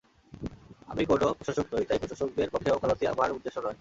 আমি কোন প্রশাসক নই, তাই প্রশাসকদের পক্ষে উকালতি আমার উদ্দেশ্য নয়।